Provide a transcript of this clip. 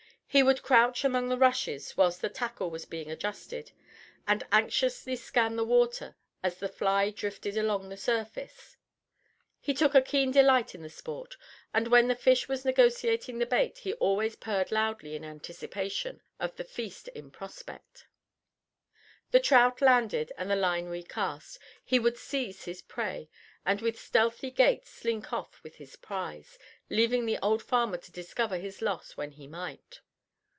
He would crouch among the rushes whilst the tackle was being adjusted, and anxiously scan the water as the fly drifted along the surface. He took a keen delight in the sport, and when a fish was negotiating the bait he always purred loudly in anticipation of the feast in prospect. The trout landed and the line re cast, he would seize his prey, and with stealthy gait slink off with his prize, leaving the old farmer to discover his loss when he might.